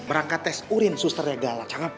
berangkat tes urin susternya gala